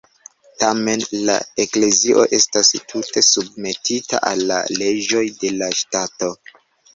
Tamen, la Eklezio estas tute submetita al la leĝoj de la ŝtato.